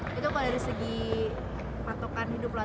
itu kalau dari segi patokan hidup lah